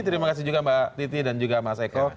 terima kasih juga mbak titi dan juga mas eko